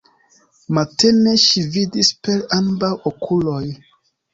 Matene ŝi vidis per ambaŭ okuloj.